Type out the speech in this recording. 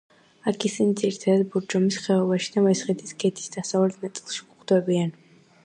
აქ ისინი ძირითადად ბორჯომის ხეობაში და მესხეთის ქედის დასავლეთ ნაწილში გვხვდებიან.